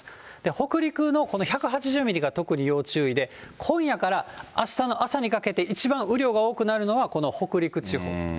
北陸のこの１８０ミリが特に要注意で、今夜からあしたの朝にかけて、一番雨量が多くなるのは、この北陸地方。